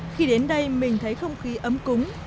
khi đến đây mình thấy không khí ấm cúng